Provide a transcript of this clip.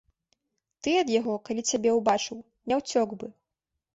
Ты ад яго, калі цябе ўбачыў, не ўцёк бы.